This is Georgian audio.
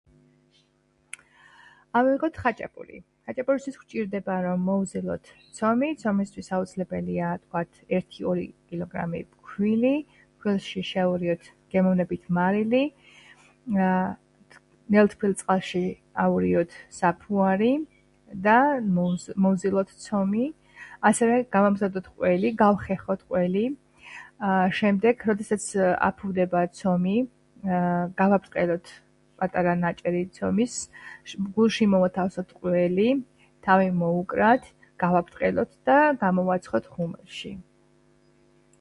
ავიღოთ ხაჭაპური. ხაჭაპურისთვის გვჭირდება, რომ მოვზილოთ ცომი. ცომისთვის აუცილებელია, ვთქვათ, ერთი-ორი კილოგრამი ფქვილი. ფქვილში შევურიოთ გემოვნებით მარილი. ნელთბილ წყალში ავურიოთ საფუარი და მოვზილოთ ცომი. ასევე გავამზადოთ ყველი - გავხეხოთ ყველი. შემდეგ, როდესაც აფუვდება ცომი, გავაბრტყელოთ პატარა ნაჭერი ცომის. გულში მოვათავსოთ ყველი, თავი მოვუკრათ, გავაბრტყელოთ და გამოვაცხოთ ღუმელში.